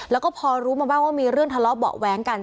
แล้วก็พอรู้มาบ้างว่ามีเรื่องทะเลาะเบาะแว้งกัน